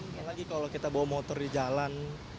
apalagi kalau kita bawa motor di jalan